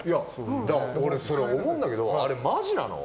俺、それ思うんだけどあれマジなの？